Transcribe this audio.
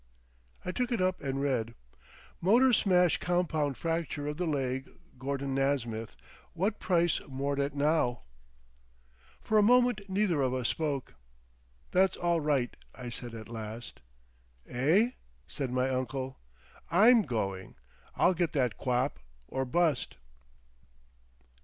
I took it up and read: "Motor smash compound fracture of the leg gordon nasmyth what price mordet now" For a moment neither of us spoke. "That's all right," I said at last. "Eh?" said my uncle. "I'm going. I'll get that quap or bust."